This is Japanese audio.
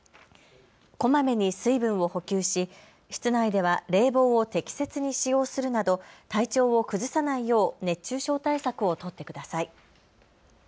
こまめに水分を補給し室内では冷房を適切に使用するなど体調を崩さないよう熱中症対策を取ってください。